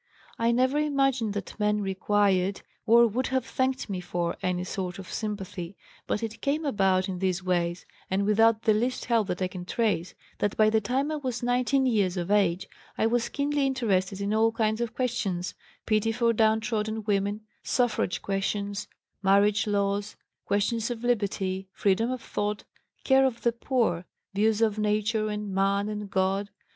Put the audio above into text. I never imagined that men required, or would have thanked me for, any sort of sympathy. But it came about in these ways, and without the least help that I can trace, that by the time I was 19 years of age I was keenly interested in all kinds of questions: pity for downtrodden women, suffrage questions, marriage laws, questions of liberty, freedom of thought, care of the poor, views of Nature and Man and God.